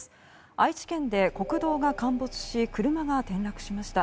愛知県で国道が陥没し車が転落しました。